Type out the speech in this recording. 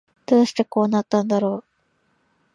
どうしてこうなったんだろう